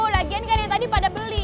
lagian kan yang tadi pada beli